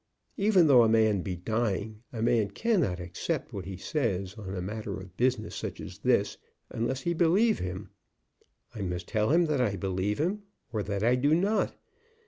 Even though a man be dying, a man cannot accept what he says on a matter of business such as this unless he believe him. I must tell him that I believe him or that I do not.